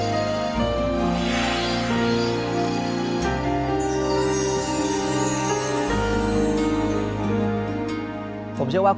รุยภาษาดนตรีแถมเทอมนี้ไม่ค่อยรู้